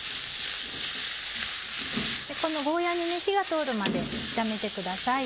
このゴーヤに火が通るまで炒めてください。